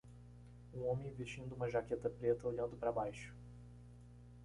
Um homem vestindo uma jaqueta preta, olhando para baixo.